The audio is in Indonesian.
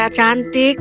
tidak ada yang jelek